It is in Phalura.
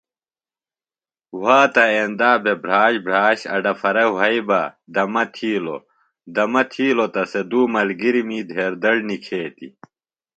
وھاتہ اندا بھےۡ بِھراش بِھراش اڈپھرہ وھئیۡ بہ دمہ تھیلوۡ دمہ تھیلوۡ تہ سےۡ دُو ملگِرمی ڈھیدڑ نکھیتیۡ